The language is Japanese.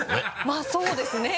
まぁそうですね。